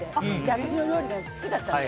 私の料理が好きだったの。